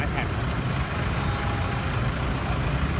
พร้อมต่ำยาว